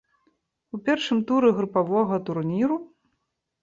У першым туры групавога турніру.